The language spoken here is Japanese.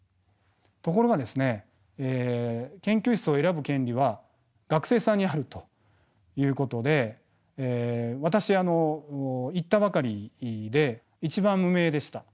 ところがですね研究室を選ぶ権利は学生さんにあるということで私行ったばかりで一番無名でした。